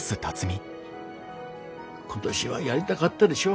今年はやりだがったでしょ。